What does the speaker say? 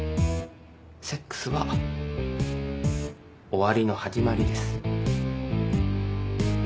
セックスは終わりの始まりです。